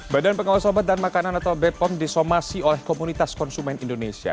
badan pengawas obat dan makanan atau bepom disomasi oleh komunitas konsumen indonesia